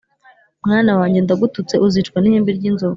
Mwana wanjye ndagututse uzicwa n' ihembe ry' inzovu